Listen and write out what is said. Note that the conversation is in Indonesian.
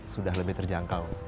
sudah lebih terjangkau